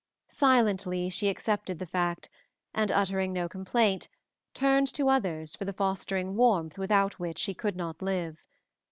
Silently she accepted the fact and, uttering no complaint, turned to others for the fostering warmth without which she could not live.